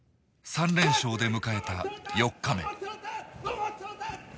３連勝で迎えた４日目。